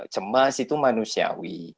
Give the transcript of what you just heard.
cemas itu manusiawi